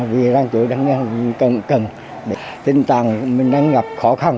vì răng chủ đang cần tinh tàng mình đang gặp khó khăn